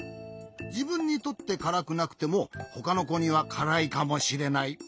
じぶんにとってからくなくてもほかのこにはからいかもしれない。